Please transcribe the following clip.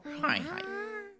はいはい。